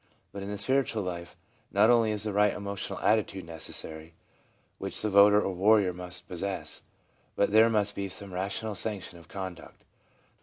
But in the spiritual life, not only is the right emotional attitude necessary, which the voter or warrior must possess, but there must be some rational sanction of conduct.